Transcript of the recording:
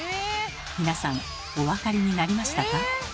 皆さんお分かりになりましたか？